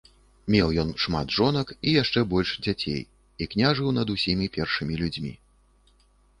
Меў ён шмат жонак і яшчэ больш дзяцей і княжыў над усімі першымі людзьмі.